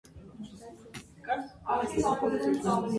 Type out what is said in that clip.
Գրված է երկսյուն, նոտրգրով։